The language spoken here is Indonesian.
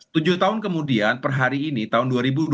tujuh tahun kemudian per hari ini tahun dua ribu dua puluh